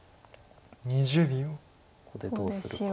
ここでどうするか。